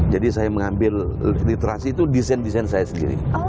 jadi saya mengambil literasi itu desain desain saya sendiri